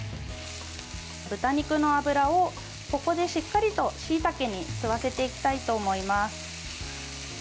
豚肉の脂をここでしっかりとしいたけに吸わせていきたいと思います。